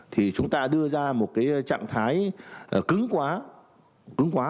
thì chúng ta đưa ra một cái trạng thái cứng quá